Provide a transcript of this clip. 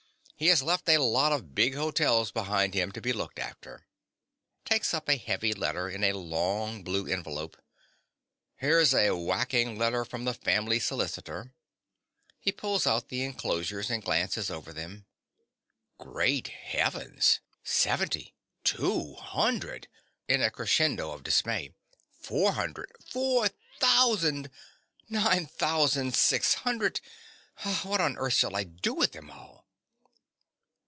He has left a lot of big hotels behind him to be looked after. (Takes up a heavy letter in a long blue envelope.) Here's a whacking letter from the family solicitor. (He pulls out the enclosures and glances over them.) Great Heavens! Seventy! Two hundred! (In a crescendo of dismay.) Four hundred! Four thousand!! Nine thousand six hundred!!! What on earth shall I do with them all?